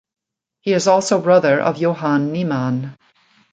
He is also brother of Johan Niemann.